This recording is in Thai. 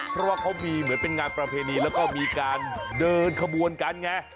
เพราะว่าเขามีเหมือนเป็นงานประเพณีแล้วก็มีการเดินขบวนกันไง